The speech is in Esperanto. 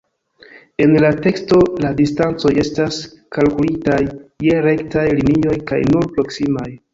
En la teksto, la distancoj estas kalkulitaj je rektaj linioj kaj nur proksimaj.